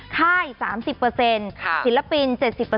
ค่าย๓๐ศิลปิน๗๐